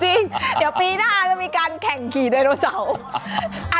เดี๋ยวปีหน้าจะมีการแข่งขี่ไดโนเสาร์